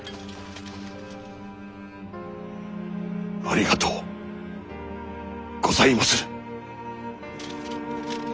ありがとうございまする！